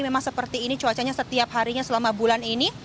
memang seperti ini cuacanya setiap harinya selama bulan ini